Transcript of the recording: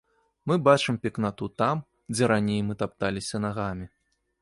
Мы бачым пекнату там, дзе раней мы тапталіся нагамі.